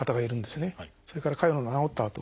それから潰瘍の治った痕。